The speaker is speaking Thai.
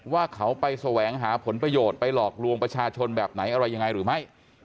ว่าเขาไปแสวงหาผลประโยชน์ไปหลอกลวงประชาชนแบบไหนอะไรยังไงหรือไม่